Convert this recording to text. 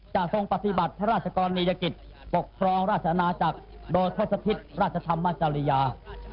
ทรงปฏิบัติพระราชกรณียกิจปกครองราชอาณาจักรโดยทศพิษราชธรรมจริยา